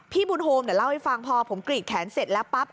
พี่บุญฮวงก์เดี๋ยวเล่าให้ฟังพอผมกรีดแขนเสร็จแล้วปั๊บ